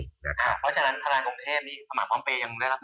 เพราะฉะนั้นแถลงกรมเทพฯสมัครความเป็นยังได้หรอครับ